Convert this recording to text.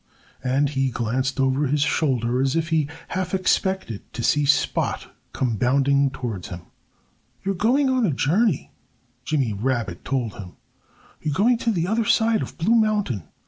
And he glanced over his shoulder as if he half expected to see Spot come bounding towards him. "You are going on a journey," Jimmy Rabbit told him. "You are going to the other side of Blue Mountain.